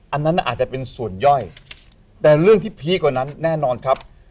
อันนั้นอาจจะเป็นส่วนย่อยแต่เรื่องที่พีคกว่านั้นแน่นอนครับ